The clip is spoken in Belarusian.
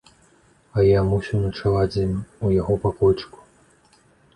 А я мусіў начаваць з ім у яго пакойчыку.